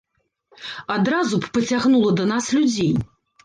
Адразу б пацягнула да нас людзей.